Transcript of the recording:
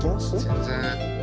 全然。